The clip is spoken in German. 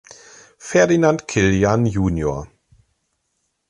Ferdinand Kilian jr.